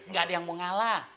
gak ada yang mau ngalah